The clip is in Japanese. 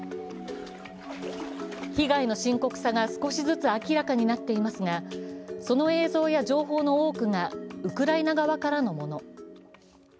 被害の深刻さが少しずつ明らかになっていますがその映像や情報の多くがウクライナ側からのもの。